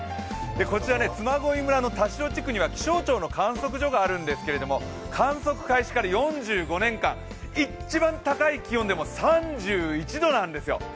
こちら嬬恋村の田代地区には気象庁の観測所があるんですけど、観測開始から４５年間、一番高い気温でも、３１度なんですよ。